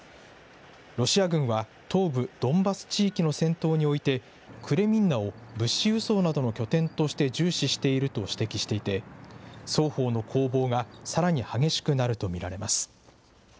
ロシア軍は東部ドンバス地域の戦闘において、クレミンナを物資輸送などの拠点として重視していると指摘していて、双方の攻防がさらに激しくなると見られます。